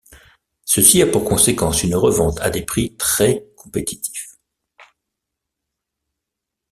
Ceci a pour conséquence une revente à des prix très compétitifs.